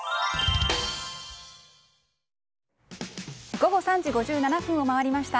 午後３時５７分を回りました。